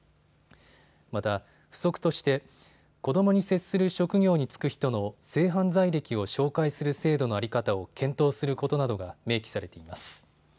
また付則として子どもに接する職業に就く人の性犯罪歴を照会する制度の在り方を検討することなどが明記されています。